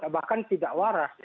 bahkan tidak waras